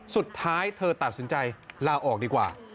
สุดท้ายเธอตัดสินใจลาออกดีกว่า